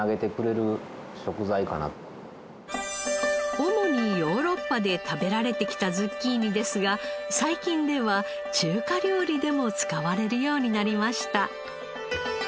主にヨーロッパで食べられてきたズッキーニですが最近では中華料理でも使われるようになりました。